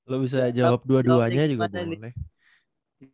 lu bisa jawab dua duanya juga